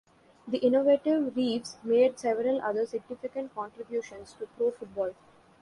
The innovative Reeves made several other significant contributions to pro football.